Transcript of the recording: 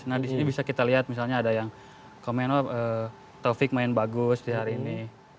nah di sini bisa kita lihat misalnya ada yang komeno taufik main bagus di hari ini